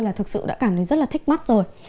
là thực sự đã cảm thấy rất là thích mắt rồi